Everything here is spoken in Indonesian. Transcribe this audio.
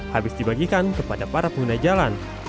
habis dibagikan kepada para pengguna jalan